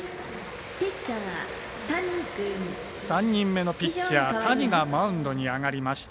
３人目のピッチャー谷がマウンドに上がりました。